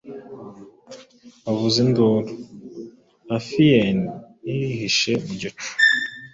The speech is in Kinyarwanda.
bavuza induru, Nka fiend yihishe mu gicu.